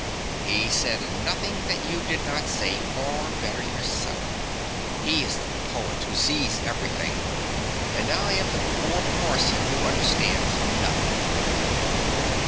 He said nothing that you did not say far better yourself. He is the poet, who sees everything; and I am the poor parson, who understands nothing.